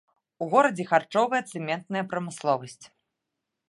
У горадзе харчовая, цэментная прамысловасць.